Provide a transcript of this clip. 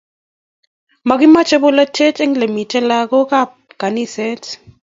Makimache polet en elemiten lakoka ab kaniset